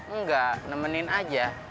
enggak nemenin aja